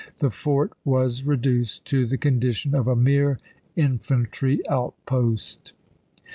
The fort was reduced to the con dition of a mere infantry outpost."